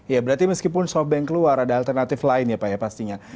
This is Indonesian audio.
ya berarti meskipun sobeng keluar ada alternatif lain ya pak ya pastinya